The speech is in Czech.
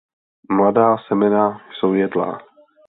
Mladá semena jsou jedlá.